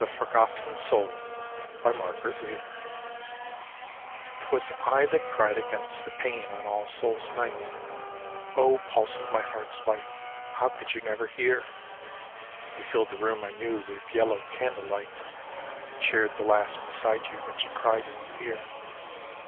THE FORGOTTEN SOUL : margarbt widdbmer 'Twas I that cried against the pane on All Souls' Night (O pulse of my heart's life, how could you never hear?) You filled the room I knew with yellow candlelight And cheered the lass beside you when she cried in fear.